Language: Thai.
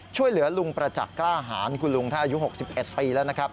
ช่วยเหลือลุงประจักษ์กล้าหารคุณลุงท่านอายุ๖๑ปีแล้วนะครับ